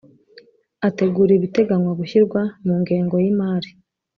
Ategura ibiteganywa gushyirwa mu ngengo y’imari